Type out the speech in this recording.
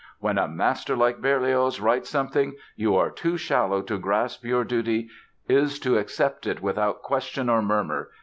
"When a master like Berlioz writes something you are too shallow to grasp your duty is to accept it without question or murmur!"